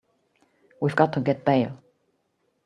We've got to get bail.